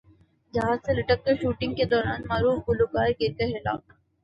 جہاز سے لٹک کر شوٹنگ کے دوران معروف گلوکار گر کر ہلاک